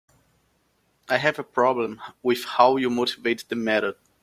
I have a problem with how you motivate the method.